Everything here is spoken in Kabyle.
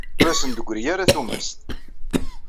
Ur asen-d-teggri ara tumast.